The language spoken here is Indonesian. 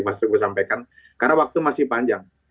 mas teguh sampaikan karena waktu masih panjang